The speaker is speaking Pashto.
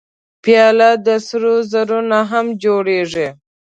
پیاله د سرو زرو نه هم جوړېږي.